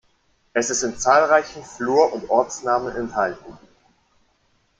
Es ist in zahlreichen Flur- und Ortsnamen enthalten.